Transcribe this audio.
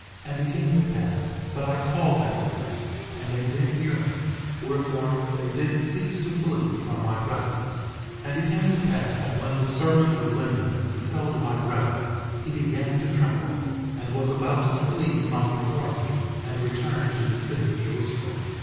4:29 And it came to pass that I called after them, and they did hear me; wherefore they did cease to flee from my presence. 4:30 And it came to pass that when the servant of Laban beheld my brethren he began to tremble, and was about to flee from before me and return to the city of Jerusalem.